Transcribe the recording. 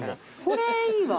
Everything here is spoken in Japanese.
これいいわ。